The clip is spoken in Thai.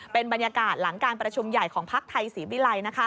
เป็นบรรยากาศหลังการประชุมใหญ่ของพักไทยศรีวิลัย